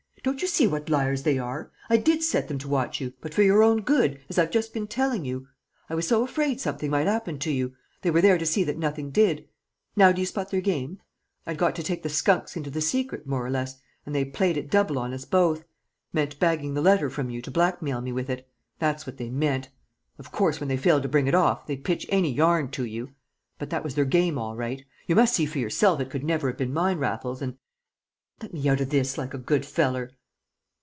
"Don't you see what liars they are? I did set them to watch you, but for your own good, as I've just been telling you. I was so afraid something might 'appen to you; they were there to see that nothing did. Now do you spot their game? I'd got to take the skunks into the secret, more or less, an' they've played it double on us both. Meant bagging the letter from you to blackmail me with it; that's what they meant! Of course, when they failed to bring it off, they'd pitch any yarn to you. But that was their game all right. You must see for yourself it could never have been mine, Raffles, and and let me out o' this, like a good feller!"